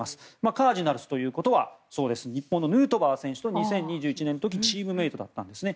カージナルスということは日本のヌートバー選手と２０２１年の時チームメートだったんですね。